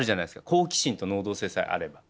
好奇心と能動性さえあれば。